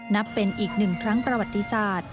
นับเป็นอีกหนึ่งครั้งประวัติศาสตร์